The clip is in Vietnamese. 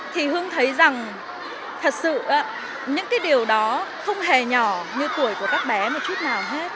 thì hương thấy rằng thật sự những cái điều đó không hề nhỏ như tuổi của các bé một chút nào hết